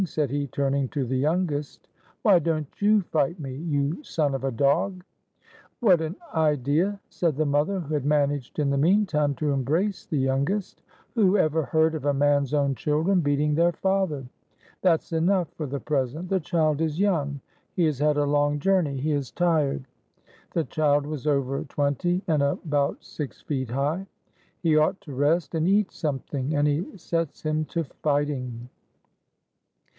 said he, turning to the youngest. "Why don't you fight me? you son of a dog!" "What an idea!" said the mother, who had managed in the mean time to embrace the youngest. "Who ever heard of a man's own children beating their father? That's enough for the present; the child is young, he has had a long journey, he is tired." (The child was over twenty, and about six feet high.) "He ought to rest, and eat something; and he sets him to fighting!"